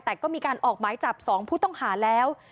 แต่ก็มีการออกหมายจับ๒ผู้ต้องหาแล้ว